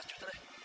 dua belas juta deh